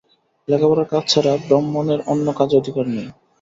লেখাপড়ার কাজ ছাড়া ব্রহ্মণের অন্য কাজে অধিকার নাই।